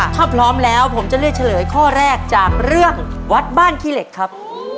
ถ้าพร้อมแล้วผมจะเลือกเฉลยข้อแรกจากเรื่องวัดบ้านขี้เหล็กครับ